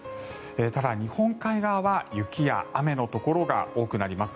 ただ、日本海側は雪や雨のところが多くなります。